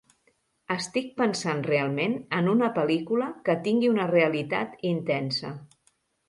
Estic pensant realment en una pel·lícula que tingui una realitat intensa.